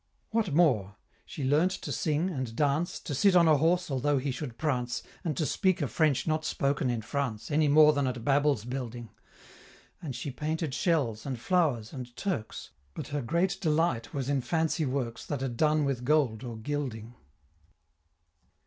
What more? She learnt to sing, and dance, To sit on a horse, although he should prance, And to speak a French not spoken in France Any more than at Babel's building And she painted shells, and flowers, and Turks, But her great delight was in Fancy Works That are done with gold or gilding.